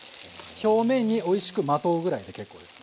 表面においしくまとうぐらいで結構です。